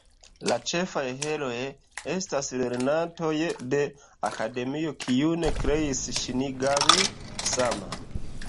La ĉefaj herooj estas lernantoj de Akademio, kiun kreis Ŝinigami-sama.